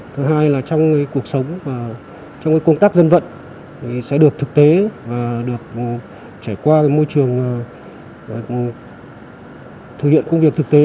thứ hai là trong cuộc sống và trong công tác dân vận sẽ được thực tế và được trải qua môi trường thực hiện công việc thực tế